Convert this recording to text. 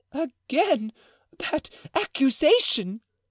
"Again that accusation!"